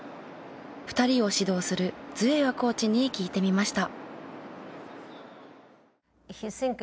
２人を指導するズエワコーチに聞いてみました。